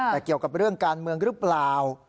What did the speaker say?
แต่เกี่ยวกับเรื่องการเมืองหรือเปล่า